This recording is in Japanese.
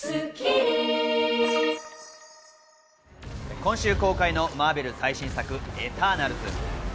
今週公開のマーベル最新作『エターナルズ』。